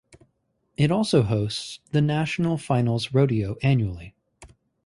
It also hosts the National Finals Rodeo annually.